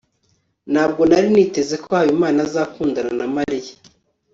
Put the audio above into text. ntabwo nari niteze ko habimana azakundana na mariya